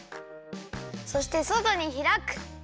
そしてそとにひらく。